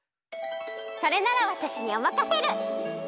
それならわたしにおまかシェル！